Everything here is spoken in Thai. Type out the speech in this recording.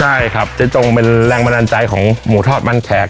ใช่ครับเจ๊จงเป็นแรงบันดาลใจของหมูทอดมันแขก